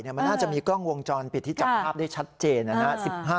มันน่าจะมีกล้องวงจรปิดที่จับภาพได้ชัดเจนนะครับ